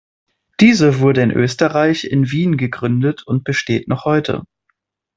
Diese wurde in Österreich in Wien gegründet und besteht noch heute.